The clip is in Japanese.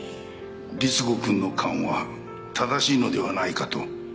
りつ子くんの勘は正しいのではないかと思ったんだ。